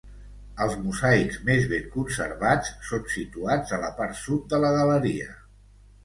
Els mosaics més ben conservats són situats a la part sud de la galeria.